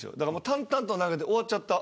淡々と投げて終わっちゃった。